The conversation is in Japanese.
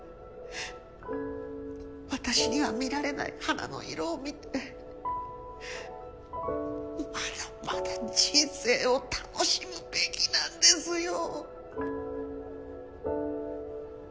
私には見られない花の色を見てまだまだ人生を楽しむべきなんですよ。